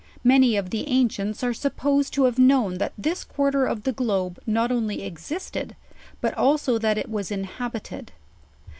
Many of the ancients are supposed to have known that this quarter of the globe not only existed, bat also that k was inhabited.